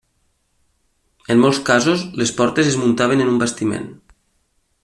En molts casos, les portes es muntaven en un bastiment.